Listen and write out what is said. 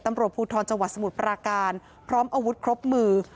ตำรวจภูทรจังหวัดสมุทรปราการพร้อมอาวุธครบมือ